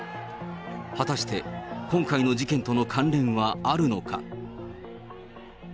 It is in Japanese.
果たして今回の事件との関連はあるのか。